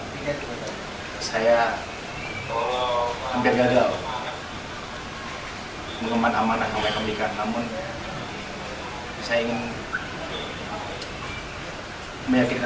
bahwa insya allah mereka tidak gagal memilih saya sebagai menantinya